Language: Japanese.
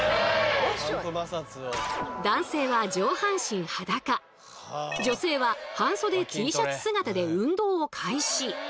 男性は上半身裸女性は半袖Ｔシャツ姿で運動を開始。